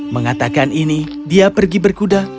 mengatakan ini dia pergi berkuda